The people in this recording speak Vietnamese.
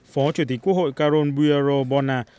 phó chủ tịch quốc hội caron buero bona